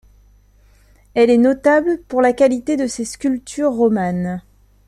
Elle est notable pour la qualité de ses sculptures romanes.